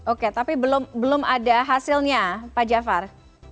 oke tapi belum ada hasilnya pak jafar